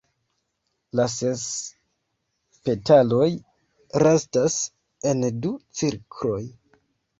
La ses petaloj staras en du cirkloj.